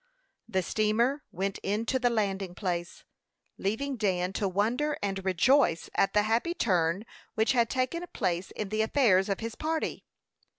The steamer went in to the landing place, leaving Dan to wonder and rejoice at the happy turn which had taken place in the affairs of his party.